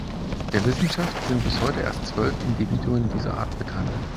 Der Wissenschaft sind bis heute erst zwölf Individuen dieser Art bekannt.